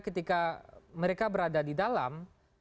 ketika mereka berada di dalam